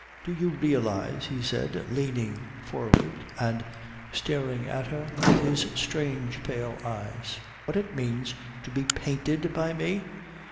"Do you realise," he said, leaning forward and staring at her with his strange pale eyes, "what it means to be painted by me?"